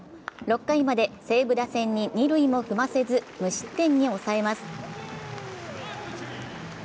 ６回まで西武打線に二塁も踏ませず無失点に抑えます。